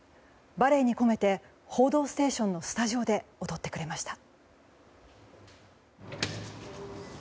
バレエに込めて「報道ステーション」のスタジオで踊ってくれました。